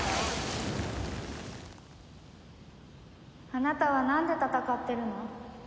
あなたはなんで戦ってるの？